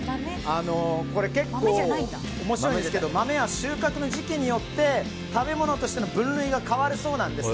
これ結構、面白いんですけど豆は収穫の時期によって食べ物としての分類が変わるそうなんです。